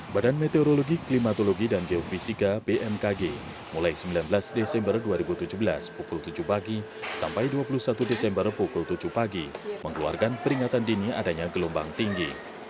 badan meteorologi klimatologi dan geofisika bmkg mulai sembilan belas desember dua ribu tujuh belas pukul tujuh pagi sampai dua puluh satu desember pukul tujuh pagi mengeluarkan peringatan dini adanya gelombang tinggi